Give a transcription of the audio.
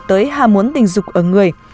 tới hàm muốn tình dục ở người